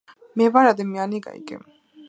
მე ვარ ადამიანი გაიგე